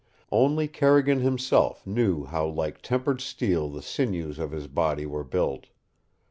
Only Carrigan himself knew how like tempered steel the sinews of his body were built.